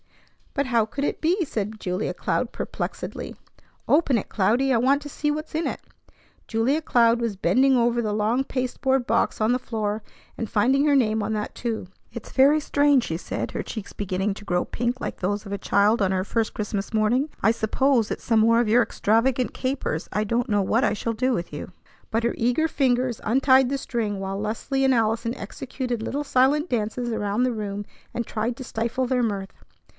"But how could it be?" said Julia Cloud perplexedly. "Open it, Cloudy. I want to see what's in it." Julia Cloud was bending over the long pasteboard box on the floor and finding her name on that, too. "It's very strange," she said, her cheeks beginning to grow pink like those of a child on her first Christmas morning. "I suppose it's some more of your extravagant capers. I don't know what I shall do with you!" But her eager fingers untied the string, while Leslie and Allison executed little silent dances around the room and tried to stifle their mirth.